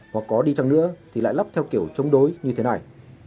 hoặc có đi chăng nữa thì lại lắp theo kiểu chống đối như thế này